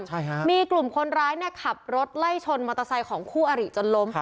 ใช่ฮะมีกลุ่มคนร้ายเนี่ยขับรถไล่ชนมอเตอร์ไซค์ของคู่อริจนล้ม